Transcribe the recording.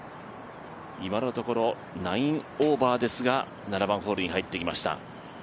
今のところ９オーバーですが７番ホールに入ってきました。